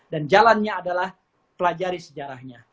dan jalannya adalah pelajari sejarahnya